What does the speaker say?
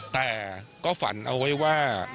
แต่ก็ฝันเอาไว้ว่า